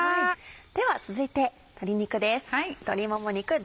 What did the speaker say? では続いて鶏肉です。